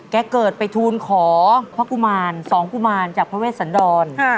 แกเกิดไปทูลขอพระกุมารสองกุมารจากพระเวชสันดร